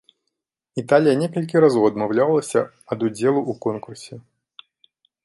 Італія некалькі разоў адмаўлялася ад удзелу ў конкурсе.